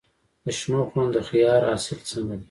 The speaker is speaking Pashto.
د شنو خونو د خیار حاصل څنګه دی؟